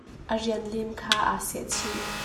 A rian lim kha aa sehchih.